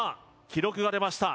記録が出ました